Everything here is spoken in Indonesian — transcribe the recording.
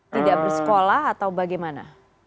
tidak bersekolah atau bagaimana